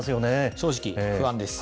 正直、不安です。